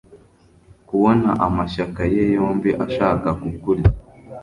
kubona amashyaka ye yombi ashaka kukurya